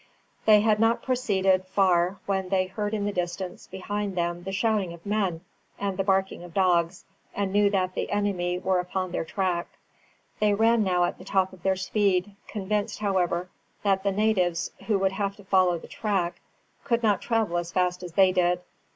They had not proceeded far when they heard in the distance behind them the shouting of men and the barking of dogs, and knew that the enemy were upon their track. They ran now at the top of their speed, convinced, however, that the natives, who would have to follow the track, could not travel as fast as they did.